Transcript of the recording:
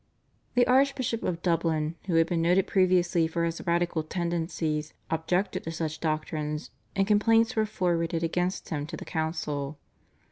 The Archbishop of Dublin, who had been noted previously for his radical tendencies, objected to such doctrines, and complaints were forwarded against him to the council.